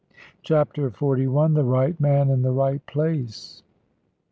CHAPTER XLI. THE RIGHT MAN IN THE RIGHT PLACE.